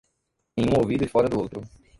Em um ouvido e fora do outro.